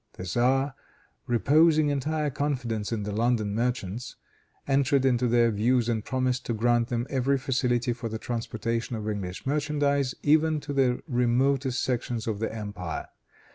The tzar, reposing entire confidence in the London merchants, entered into their views and promised to grant them every facility for the transportation of English merchandise, even to the remotest sections of the empire.